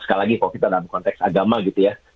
sekali lagi kalau kita dalam konteks agama gitu ya